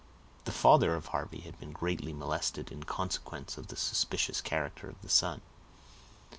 The father of Harvey had been greatly molested, in consequence of the suspicious character of the son.